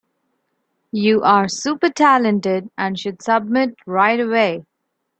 You are super talented and should submit right away.